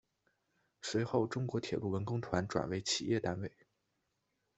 随后中国铁路文工团转为企业单位。